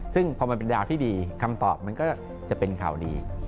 ซึ่งพอมันเป็นดาวที่ดีคำตอบมันก็จะเป็นข่าวดี